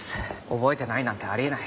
覚えてないなんてあり得ない。